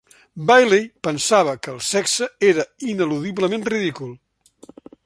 Bayley pensava que el sexe era ineludiblement ridícul.